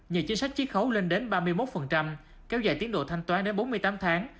nhờ chính sách chiếc khấu lên đến ba mươi một kéo dài tiến độ thanh toán đến bốn mươi tám tháng